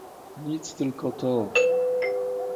"Nic, tylko to..."